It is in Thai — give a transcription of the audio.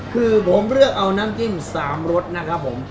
คือผมเลือกเอาน้ำจิ้ม๓รสนะครับผม